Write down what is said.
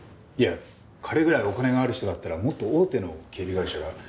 いや彼ぐらいお金がある人だったらもっと大手の警備会社が。